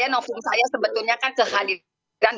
noving saya sebetulnya kan kehadiran